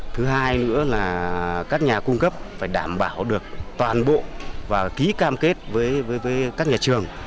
thứ hai nữa là các nhà cung cấp phải đảm bảo được toàn bộ và ký cam kết với các nhà trường